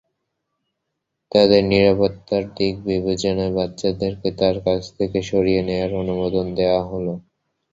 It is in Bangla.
তাদের নিরাপত্তার দিক বিবেচনায়, বাচ্চাদেরকে তার কাছ থেকে সরিয়ে নেয়ার অনুমোদন দেয়া হল।